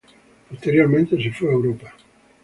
Posteriormente, se fue a Europa.